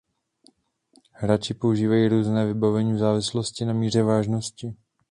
Hráči používají různé vybavení v závislosti na míře vážnosti.